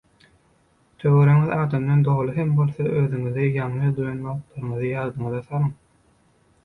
Töweregiňiz adamdan doly hem bolsa özüňizi ýalňyz duýan wagtlaryňyzy ýadyňyza salyň.